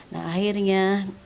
nah akhirnya ya